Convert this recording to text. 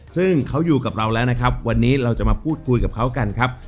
ซึ่งเขาอยู่กับเราแล้วนะครับวันนี้เราจะมาพูดคุยกับเขากันครับ